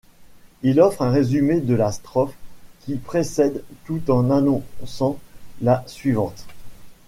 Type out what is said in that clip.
Ils offrent un résumé de la strophe qui précède tout en annonçant la suivante.